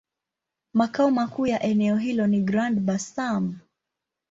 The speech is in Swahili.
Makao makuu ya eneo hilo ni Grand-Bassam.